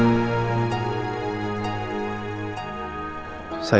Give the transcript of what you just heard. assalamualaikum warahmatullahi wabarakatuh